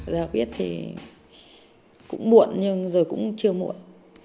giờ biết thì cũng muộn nhưng rồi cũng chưa muộn